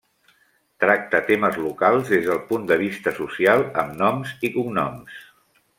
Tracta temes locals des del punt de vista social, amb noms i cognoms.